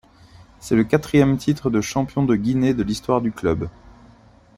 C'est le quatrième titre de champion de Guinée de l'histoire du club.